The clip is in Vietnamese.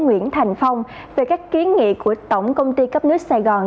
nguyễn thành phong về các kiến nghị của tổng công ty cấp nước sài gòn